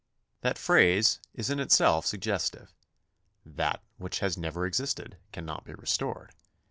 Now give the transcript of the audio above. That phrase is in itself suggestive. That which has never existed cannot be restored.